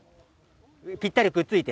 ぴったりくっついて。